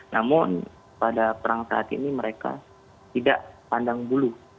namun pada perang saat ini mereka tidak pandang bulu